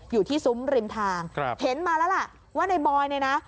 อยู่ที่ซุ้มริมทางเห็นมาแล้วล่ะว่านายบอยเนี่ยนะ